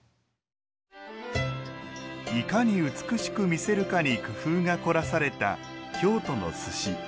いかに美しく見せるかに工夫が凝らされた京都の寿司。